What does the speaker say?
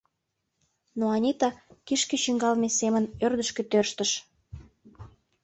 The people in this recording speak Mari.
но Анита, кишке чӱҥгалме семын, ӧрдыжкӧ тӧрштыш.